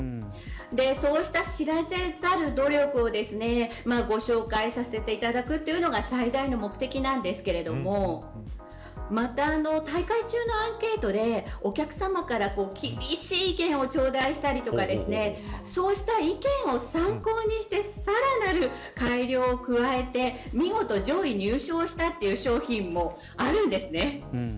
そうした知られざる努力をご紹介させていただくというのが最大の目的なんですけれどもまた大会中のアンケートでお客さまから厳しい意見を頂戴したりとかそうした意見を参考にしてさらなる改良を加えて見事、上位入賞したという商品もあるんですね。